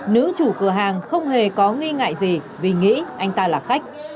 nữ chủ cửa hàng không hề có nghi ngại gì vì nghĩ anh ta là khách